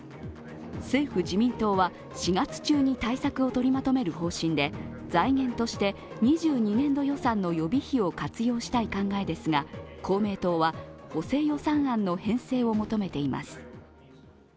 政府・自民党は４月中に対策を取りまとめる方針で財源として２２年度予算の予備費を活用したい考えですが、公明党は補正予算案の編成求めています。